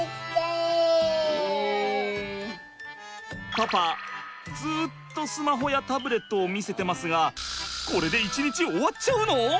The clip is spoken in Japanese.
パパずっとスマホやタブレットを見せてますがこれで一日終わっちゃうの？